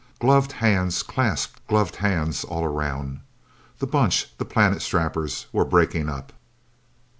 Gloved hands clasped gloved hands all around. The Bunch, the Planet Strappers, were breaking up.